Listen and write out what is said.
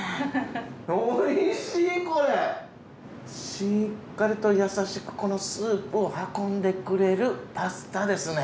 しっかりと優しくこのスープを運んでくれるパスタですね。